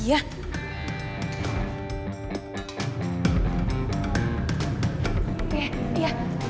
gw yakin tuh diurut